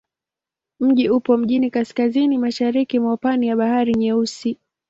Mji upo mjini kaskazini-mashariki mwa pwani ya Bahari Nyeusi.